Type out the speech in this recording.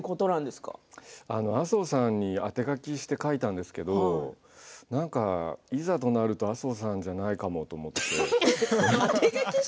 麻生さんに当て書きして書いたんですがいざとなると麻生さんじゃないかもと思って。